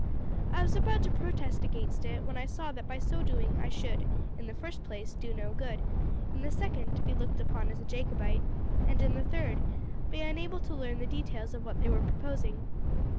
I was about to protest against it, when I saw that by so doing I should, in the first place, do no good; in the second, be looked upon as a Jacobite; and in the third, be unable to learn the details of what they were proposing.